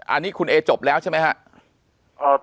อันนี้คุณเอจบแล้วใช่ไหมครับ